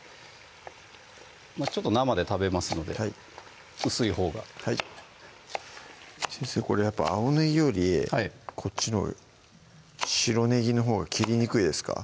ちょっと生で食べますので薄いほうがはい先生これやっぱ青ねぎよりこっちの白ねぎのほうが切りにくいですか？